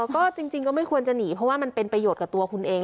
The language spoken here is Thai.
ก็จริงก็ไม่ควรจะหนีเพราะว่ามันเป็นประโยชน์กับตัวคุณเอง